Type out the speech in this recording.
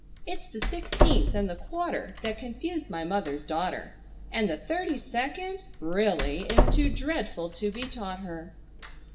It's the sixteenth and the quarter that confuse my mother's daughter, And the thirty second, really, is too dreadful to be taught her.